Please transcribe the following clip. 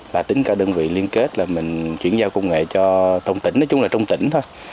và tính cả đơn vị liên kết là mình chuyển giao công nghệ cho tỉnh nói chung là trong tỉnh thôi